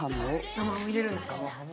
生ハムを入れるんですか。